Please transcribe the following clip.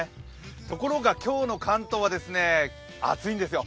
ところが、今日の関東は暑いんですよ。